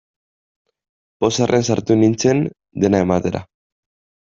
Pozarren sartu nintzen, dena ematera.